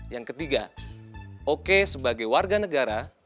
yang ketiga oke sebagai warga negara